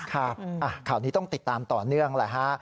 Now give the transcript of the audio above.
ครับข่าวนี้ต้องติดตามต่อเนื่อง